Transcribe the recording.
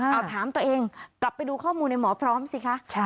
เอาถามตัวเองกลับไปดูข้อมูลในหมอพร้อมสิคะ